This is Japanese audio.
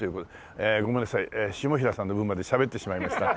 ええごめんなさい下平さんの分までしゃべってしまいました。